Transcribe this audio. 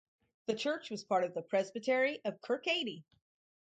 The church was part of the presbytery of Kirkcaldy.